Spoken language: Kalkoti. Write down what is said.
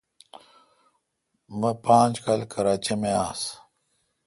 می پانج کال کراچی می آس۔